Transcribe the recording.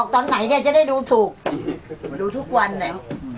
จังหวะมาพอดีเลยบ้าง